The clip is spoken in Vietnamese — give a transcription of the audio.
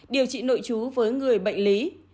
điều trị nội trú với người bệnh lý